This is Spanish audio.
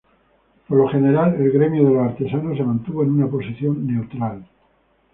Por lo general, el gremio de los artesanos se mantuvo en una posición neutral.